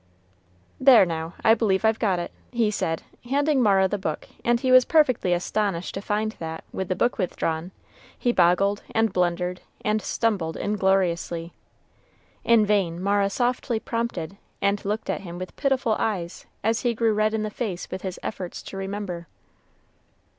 "There now, I believe I've got it," he said, handing Mara the book; and he was perfectly astonished to find that, with the book withdrawn, he boggled, and blundered, and stumbled ingloriously. In vain Mara softly prompted, and looked at him with pitiful eyes as he grew red in the face with his efforts to remember.